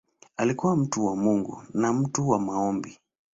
Alikuwa mtu wa Mungu na mtu wa maombi.